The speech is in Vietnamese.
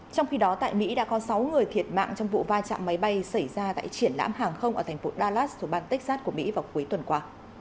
trong khi đó tại mỹ đã có sáu người thiệt mạng trong vụ va chạm máy bay xảy ra tại triển lãm hàng không ở thành phố dalas của bang texas của mỹ vào cuối tuần qua